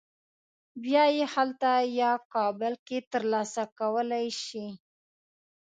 بیا یې هلته یا کابل کې تر لاسه کولی شې.